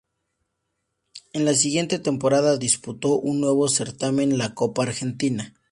En la siguiente temporada disputó un nuevo certamen, la Copa Argentina.